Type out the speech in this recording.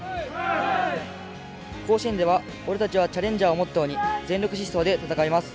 甲子園では「俺達はチャレンジャー」をモットーに全力疾走で戦います。